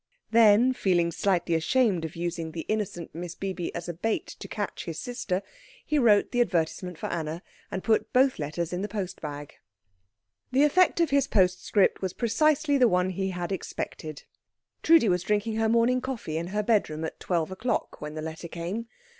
Then, feeling slightly ashamed of using the innocent Miss Bibi as a bait to catch his sister, he wrote the advertisement for Anna, and put both letters in the post bag. The effect of his postscript was precisely the one he had expected. Trudi was drinking her morning coffee in her bedroom at twelve o'clock, when the letter came.